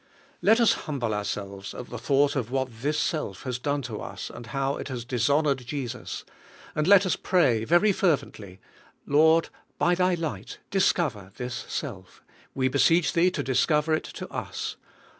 Let us humble ourselves at the thought of what this self has done to us and how it has dishonored Jesus; and let us pray very fervently : "Lord, by Thy light discover this self; we beseech Thee to 3S THE SELF LIFE discorer it to us.